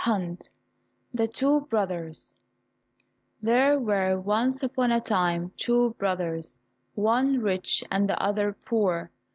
60 The Two Brothers There were once upon a time two brothers, one rich and the other poor.